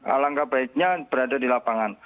alangkah baiknya berada di lapangan